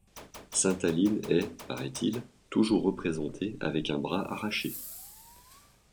Sainte-Aline est, paraît-il, toujours représentée avec un bras arraché.